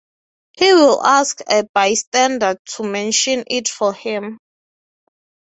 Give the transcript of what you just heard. He will ask a bystander to mention it for him.